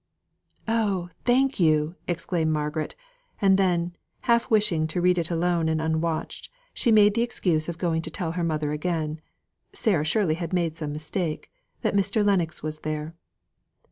"Oh! thank you," exclaimed Margaret; and then, half wishing to read it alone and unwatched, she made the excuse of going to tell her mother again (Sarah surely had made some mistake) that Mr. Lennox was there.